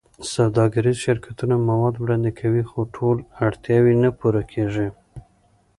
سوداګریز شرکتونه مواد وړاندې کوي، خو ټول اړتیاوې نه پوره کېږي.